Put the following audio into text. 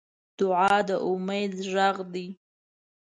دعا د امید غږ دی.